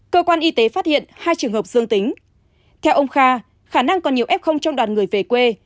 cơ quan y tế phát hiện hai trường hợp dương tính theo ông kha khả năng còn nhiều f trong đoàn người về quê